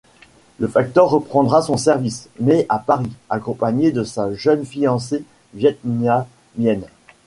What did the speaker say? Le facteur reprendra son service, mais à Paris, accompagné de sa jeune fiancée vietnamienne.